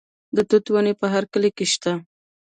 د توت ونې په هر کلي کې شته.